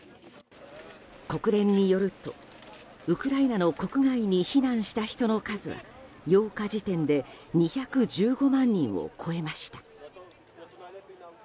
国連によるとウクライナの国外に避難した人の数は８日時点で２１５万人を超えました。